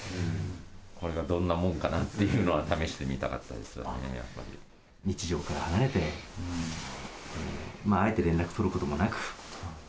これがどんなもんかなっていうのは試してみたかったですよね、日常から離れて、まああえて連絡取ることもなく。